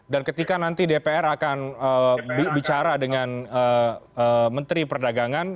dan ketika nanti dpr akan bicara dengan menteri perdagangan